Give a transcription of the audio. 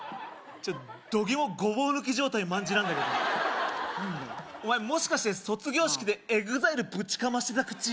ちょっと度肝ごぼう抜き状態卍なんだけどお前もしかして卒業式でＥＸＩＬＥぶちかましてた口？